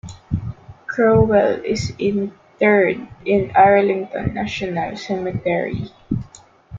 Crowell is interred in Arlington National Cemetery.